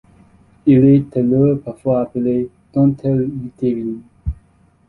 Il est alors parfois appelé dentelle utérine.